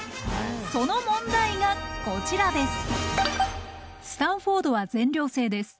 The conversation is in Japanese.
その問題がこちらです。